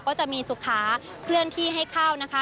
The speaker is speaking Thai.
ก็จะมีสุขาเคลื่อนที่ให้เข้านะคะ